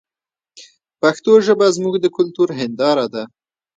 پښتو ژبه زموږ د کلتور هنداره ده.